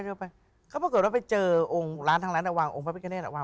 เค้าเกิดแล้วไปเจอโรงร้านทางนั้นน่ะว่า